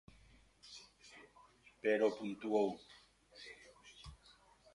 Pero puntuou.